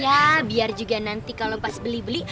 ya biar juga nanti kalau pas beli beli